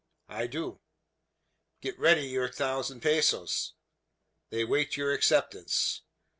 "I do." "Get ready your thousand pesos." "They wait your acceptance."